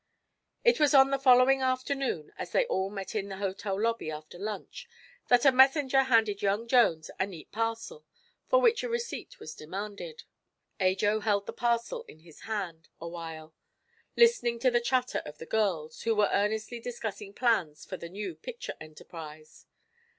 It was on the following afternoon, as they all met in the hotel lobby after lunch, that a messenger handed young Jones a neat parcel, for which a receipt was demanded. Ajo held the parcel in his hand a while, listening to the chatter of the girls, who were earnestly discussing plans for the new picture enterprise.